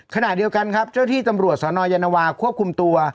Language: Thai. ขณะเดียวกันครับเจ้าที่ตำรวจสนยานวาควบคุมตัว